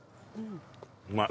うまい。